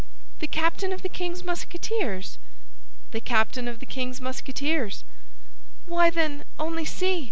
"The captain of the king's Musketeers?" "The captain of the king's Musketeers." "Why, then, only see!"